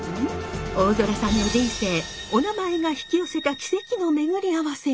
大空さんの人生おなまえが引き寄せた奇跡のめぐりあわせが。